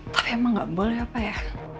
tapi emang gak boleh apa ya